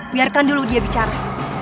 biarkan dulu dia bicara